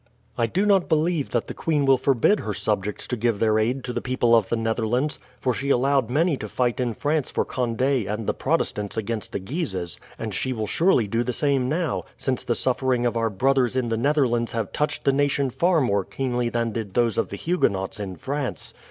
"I do not believe that the queen will forbid her subjects to give their aid to the people of the Netherlands; for she allowed many to fight in France for Conde and the Protestants against the Guises, and she will surely do the same now, since the sufferings of our brothers in the Netherlands have touched the nation far more keenly than did those of the Huguenots in France.